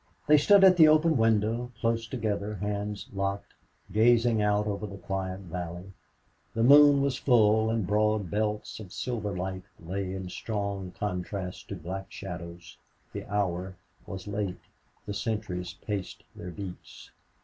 They stood at the open window, close together, hands locked, gazing out over the quiet valley. The moon was full, and broad belts of silver light lay in strong contrast to black shadows. The hour was late. The sentries paced their beats.